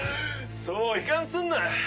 そう悲観するな。